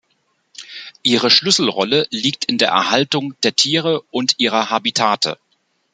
Ihre Schlüsselrolle liegt in der Erhaltung der Tiere und ihrer Habitate.